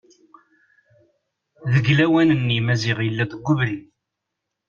Deg lawan-nni Maziɣ yella deg ubrid.